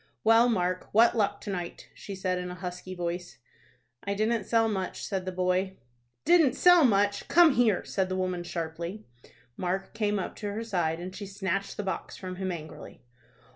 "Well, Mark, what luck to night?" she said, in a husky voice. "I didn't sell much," said the boy. "Didn't sell much? Come here," said the woman, sharply. Mark came up to her side, and she snatched the box from him, angrily.